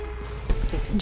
ah pusing dah